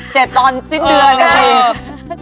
เจ็บตอนสิ้นเดือน